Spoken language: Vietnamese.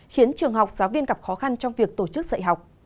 khiến trường học giáo viên gặp khó khăn trong việc tổ chức dạy học